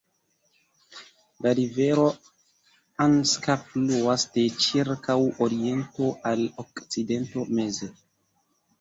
La rivero Anska fluas de ĉirkaŭ oriento al okcidento meze.